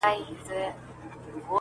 زما مور، دنيا هېره ده,